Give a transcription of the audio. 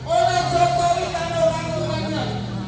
oleh jokowi dan orang orangnya